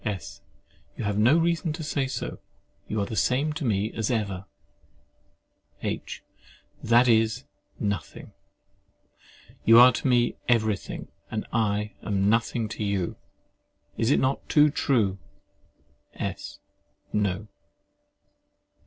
S. You have no reason to say so: you are the same to me as ever. H. That is, nothing. You are to me everything, and I am nothing to you. Is it not too true? S. No.